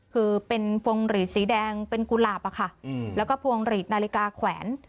คือเป็นพวงหลีดสีแดงเป็นกุหลาบอะค่ะแล้วก็พวงหลีดนาฬิกาแขวน